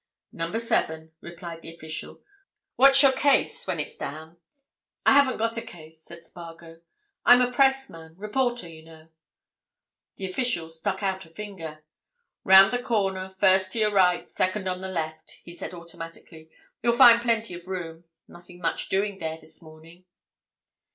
"Number seven," replied the official. "What's your case—when's it down?" "I haven't got a case," said Spargo. "I'm a pressman—reporter, you know." The official stuck out a finger. "Round the corner—first to your right—second on the left," he said automatically. "You'll find plenty of room—nothing much doing there this morning."